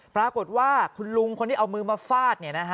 ปรากฏว่าคุณลุงคนที่เอามือมาฟาด